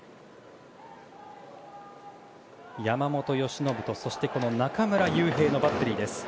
山本由伸と中村悠平のバッテリーです。